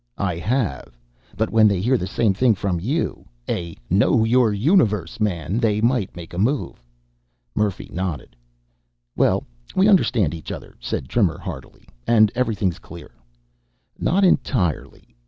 "I have! But when they hear the same thing from you, a Know Your Universe! man, they might make a move." Murphy nodded. "Well, we understand each other," said Trimmer heartily, "and everything's clear." "Not entirely.